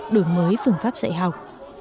đổi mới phương pháp dạy học